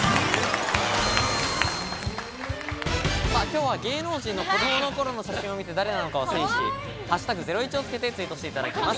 きょうは芸能人の子どもの頃の写真を見て誰なのかを推理し、「＃ゼロイチ」をつけてツイートしていただきます。